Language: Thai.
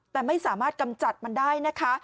แต่ไม่สามารถกำจัดมันได้นะคะ